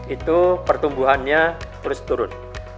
itu pertumbuhannya terus turun